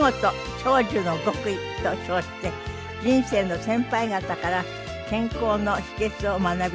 長寿の極意」と称して人生の先輩方から健康の秘訣を学びたいと思います。